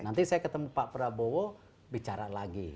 nanti saya ketemu pak prabowo bicara lagi